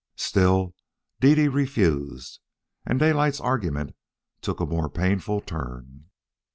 Still Dede refused, and Daylight's argument took a more painful turn.